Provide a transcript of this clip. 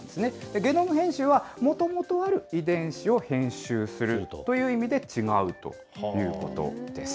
ゲノム編集は、もともとある遺伝子を編集するという意味で違うということです。